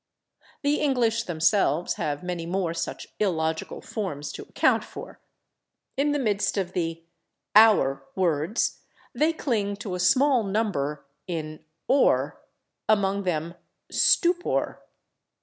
The English themselves have many more such illogical forms to account for. In the midst of the /our/ words they cling to a small number in /or/, among them, /stupor